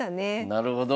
なるほど。